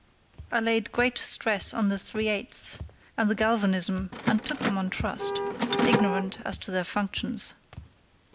I laid great stress on the 3/8's, and the galvanism, and took them on trust, ignorant as to their functions.